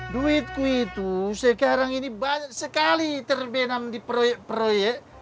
duitku itu sekarang ini banyak sekali terbenam di proyek proyek